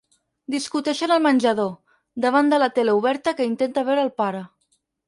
Discuteixen al menjador, davant de la tele oberta que intenta veure el pare.